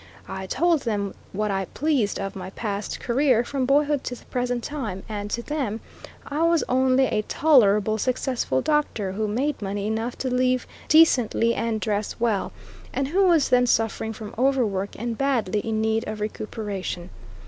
I told them what I pleased of my past career, from boyhood to the present time, and to them I was only a tolerably successful doctor, who made money enough to live decently and dress well, and who was then suffering from overwork and badly in need of recuperation.